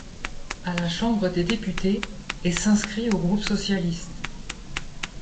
À la Chambre des députés, et s'inscrit au groupe socialiste.